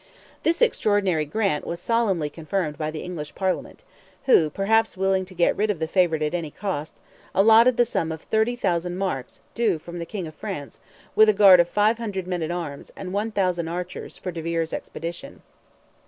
This extraordinary grant was solemnly confirmed by the English Parliament, who, perhaps willing to get rid of the favourite at any cost, allotted the sum of 30,000 marks due from the King of France, with a guard of 500 men at arms and 1,000 archers for de Vere's expedition.